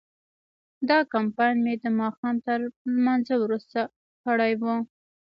دا کمپاین مې د ماښام تر لمانځه وروسته کړی و.